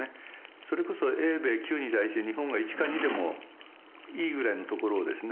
それこそ英米「９」に対して日本が「１」か「２」でもいいぐらいのところをですね